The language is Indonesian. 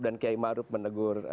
dan kiai ma'ruf menegur